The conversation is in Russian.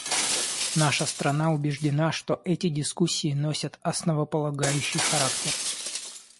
Наша страна убеждена, что эти дискуссии носят основополагающий характер.